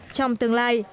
trong tương lai